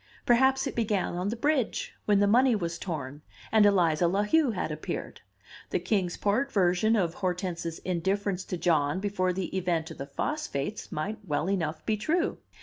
Perhaps it began on the bridge, when the money was torn, and Eliza La Heu had appeared. The Kings Port version of Hortense's indifference to John before the event of the phosphates might well enough be true.